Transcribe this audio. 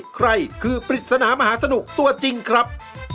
ใครคือปริศนามหาสนุกตัวจริงครับ